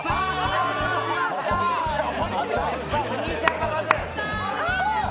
お兄ちゃんがまず。